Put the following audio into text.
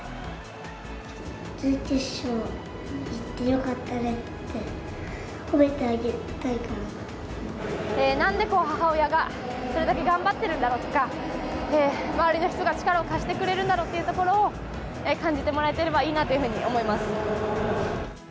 準決勝いってよかったねって、なんで母親が、これだけ頑張ってるんだろうとか、周りの人が力を貸してくれるんだろうっていうところを感じてもらえてればいいなというふうに思います。